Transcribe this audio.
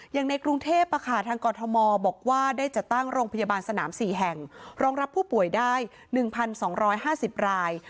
อย่างในกรุงเทพทางกรทมบอกว่าได้จัดตั้งโรงพยาบาลสนาม๔แห่งรองรับผู้ป่วยได้๑๒๕๐ราย